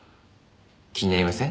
気になりません？